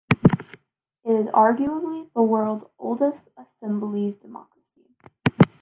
It is arguably the world's oldest assembly democracy.